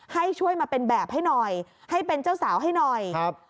ให้ช่วยมาเป็นแบบให้หน่อยให้เป็นเจ้าสาวให้หน่อยครับ